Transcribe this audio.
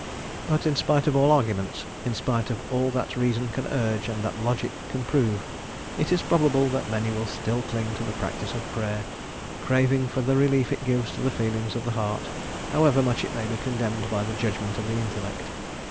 But, in spite of all arguments, in spite of all that reason can urge and that logic can prove, it is probable that many will still cling to the practice of Prayer, craving for the relief it gives to the feelings of the heart, however much it may be condemned by the judgment of the intellect.